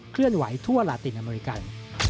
เคลื่อนไหวทั่วลาตินอเมริกัน